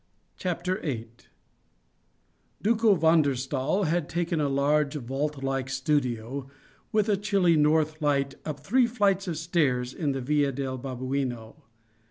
CHAPTER VIII Duco van der Staal had taken a large, vault like studio, with a chilly north light, up three flights of stairs in the Via del Babuino.